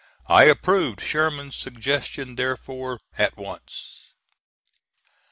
I approved Sherman's suggestion therefore at once.